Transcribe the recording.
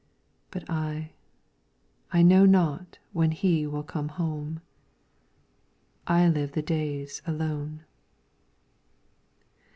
But I, I know not when he will come home. I live the days alone.